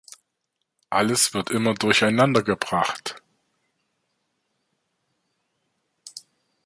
Alles wird immer durcheinandergebracht.